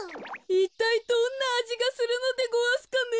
いったいどんなあじがするのでごわすかね。